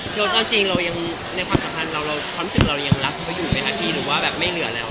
จนเอาจริงเรายังในความสัมพันธ์เราความรู้สึกเรายังรักเขาอยู่ไหมคะพี่หรือว่าแบบไม่เหลือแล้ว